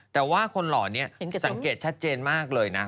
แต่ว่าคนหล่อนี้สังเกตชัดเจนมากเลยนะ